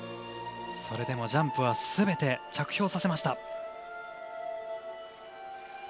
それでもジャンプはすべて着氷させました。